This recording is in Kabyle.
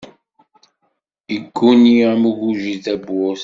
Igguni am ugujil tabburt.